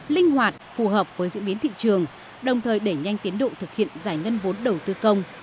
linh hoạt phù hợp với diễn biến thị trường đồng thời đẩy nhanh tiến độ thực hiện giải ngân vốn đầu tư công